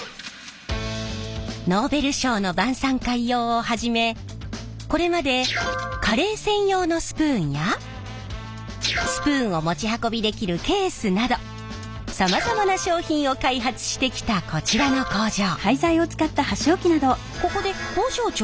ノーベル賞の晩さん会用をはじめこれまでカレー専用のスプーンやスプーンを持ち運びできるケースなどさまざまな商品を開発してきたこちらの工場。